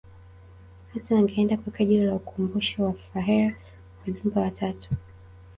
Hata angeenda kuweka jiwe la ukumbusho kwa Fuhrer wa Jimbo la Tatu